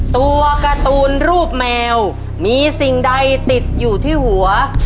ตัวการ์ตูนรูปแมวมีสิ่งใดติดอยู่ที่หัว